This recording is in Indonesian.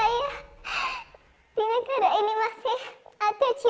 saya yakin saya yakin saya yakin saya masih percaya